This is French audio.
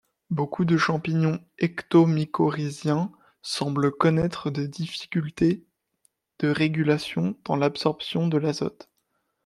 Beaucoup de champignons ectomycorrhiziens semblent connaître des difficultés de régulation dans l’absorption de l’azote.